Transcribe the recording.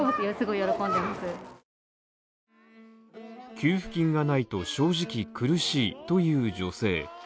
給付金がないと正直苦しいという女性。